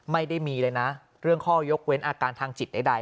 ไม่ได้มีเลยนะเรื่องข้อยกเว้นอาการทางจิตใด